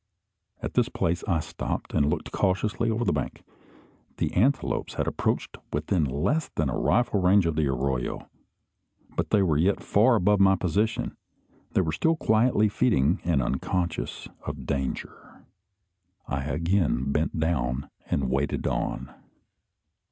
At this place I stopped, and looked cautiously over the bank. The antelopes had approached within less than rifle range of the arroyo; but they were yet far above my position. They were still quietly feeding and unconscious of danger. I again bent down and waded on.